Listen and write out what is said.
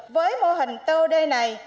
với mô hình tod này